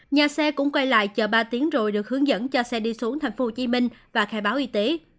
nhà xe cũng quay lại chờ ba tiếng rồi được hướng dẫn cho xe đi xuống thành phố hồ chí minh và khai báo y tế